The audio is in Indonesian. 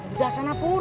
udah sana pur